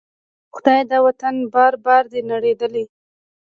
خدایه! دا وطن بار بار دی نړیدلی